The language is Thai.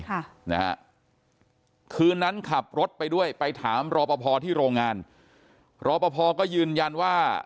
ค่ะนะฮะคืนนั้นขับรถไปด้วยไปถามรอปภที่โรงงานรอปภก็ยืนยันว่า